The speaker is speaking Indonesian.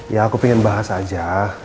ya aku ingin bahas aja